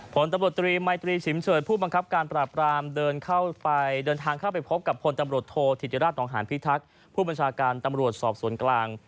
ผลตำรวจตรีมัยตรีชิมเฉยผู้บังคับการปราบรามเดินเข้าไปเดินทางเข้าไปพบกับพลตำรวจโทษธิติราชนองหานพิทักษ์ผู้บัญชาการตำรวจสอบสวนกลาง